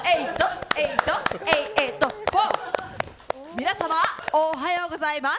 皆さま、おはようございます。